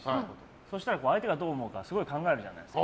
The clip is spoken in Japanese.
そしたら相手がどう思うかすごい考えるじゃないですか。